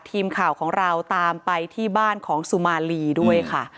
ทีมข่าวของเราตามไปที่บ้านของสุมาลีด้วยค่ะ